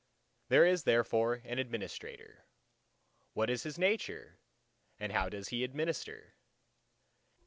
There is therefore an Administrator. What is His nature and how does He administer?